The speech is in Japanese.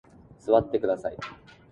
座ってください。